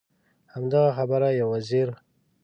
همدغه خبره یو وزیر.